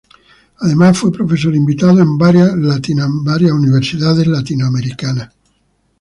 Además fue profesor invitado en varias latinoamericanas.